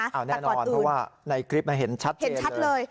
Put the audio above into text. เอาแน่นอนเพราะว่าในคลิปเห็นชัดเลย